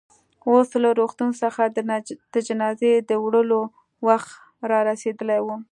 اوس له روغتون څخه د جنازې د وړلو وخت رارسېدلی و.